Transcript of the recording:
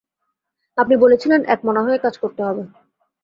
আপনি বলেছিলেন একমনা হয়ে কাজ করতে হবে।